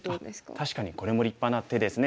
確かにこれも立派な手ですね。